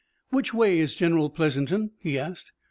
"Which way is General Pleasanton?" he asked.